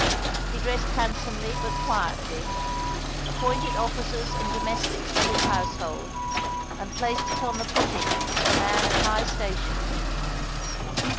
He dressed handsomely but quietly, appointed officers and domestics for his household, and placed it on the footing of a man of high station.